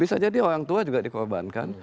bisa jadi orang tua juga dikorbankan